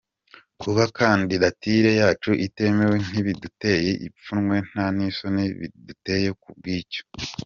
Kuba kandidatire yacu itemewe, ntibiduteye ipfunwe nta n’isoni dufite ku bw’icyo.